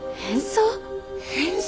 変装？